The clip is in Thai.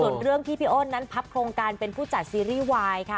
ส่วนเรื่องที่พี่โอนนั้นพับโครงการเป็นผู้จัดซีรีส์วายค่ะ